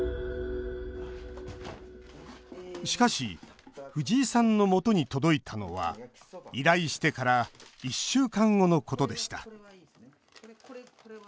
しかし藤井さんのもとに届いたのは依頼してから１週間後のことでした。